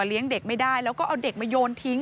เลี้ยงเด็กไม่ได้แล้วก็เอาเด็กมาโยนทิ้ง